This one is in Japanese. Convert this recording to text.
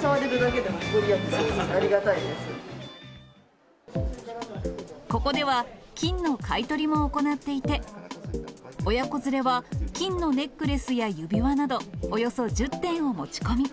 触れるだけでも御利益が、ここでは、金の買い取りも行っていて、親子連れは、金のネックレスや指輪など、およそ１０点を持ち込み。